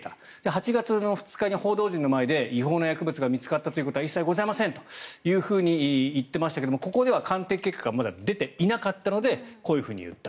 ８月２日に報道陣の前で違法な薬物が見つかったということは一切ございませんと言ってましたがここでは鑑定結果がまだ出ていなかったのでこういうふうに言った。